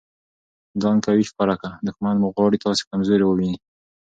ځان قوي ښکاره که! دوښمن مو غواړي تاسي کمزوري وویني.